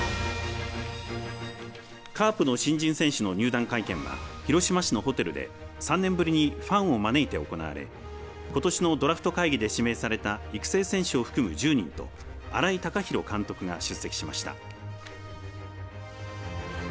カープの新人選手の入団会見は広島市のホテルで３年ぶりにファンを招いて行われことしのドラフト会議で指名された育成選手を含む１０人と新井貴浩監督が出席しました。